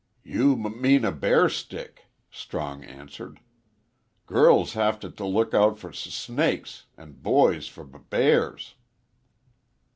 "You m mean a bear stick," Strong answered. "Girls have t' l look out fer s snakes an' boys for b bears."